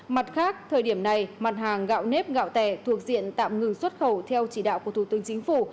mặt khác thời điểm này mặt hàng gạo nếp gạo tẻ thuộc diện tạm ngừng xuất khẩu theo chỉ đạo của thủ tướng chính phủ